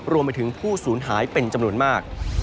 รวมไปถึงผู้สูญหายเป็นจำนวนมาก